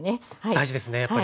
大事ですねやっぱり。